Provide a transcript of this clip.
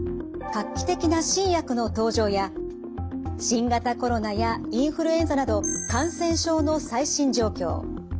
画期的な新薬の登場や新型コロナやインフルエンザなど感染症の最新状況。